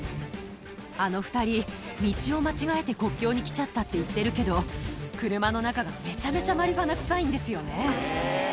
あの２人、道を間違えて国境に来ちゃったって言ってるけど、車の中がめちゃめちゃマリファナ臭いんですよね。